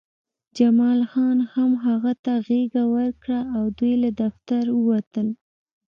جمال خان هم هغه ته غېږه ورکړه او دوی له دفتر ووتل